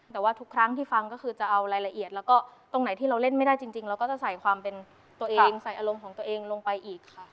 แต่ว่าทุกครั้งที่ฟังก็คือจะเอารายละเอียดแล้วก็ตรงไหนที่เราเล่นไม่ได้จริงเราก็จะใส่ความเป็นตัวเองใส่อารมณ์ของตัวเองลงไปอีกค่ะ